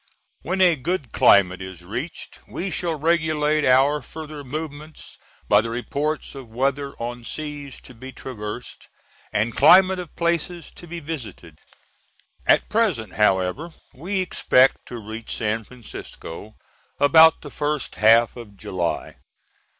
When a good climate is reached we shall regulate our further movements by the reports of weather on seas to be traversed, and climate of places to be visited. At present, however, we expect to reach San Francisco about the first half of July.